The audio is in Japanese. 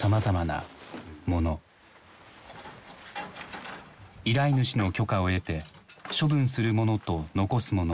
依頼主の許可を得て処分するものと残すものを仕分けていく。